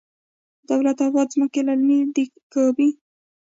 دولت اباد ځمکې للمي دي که ابي؟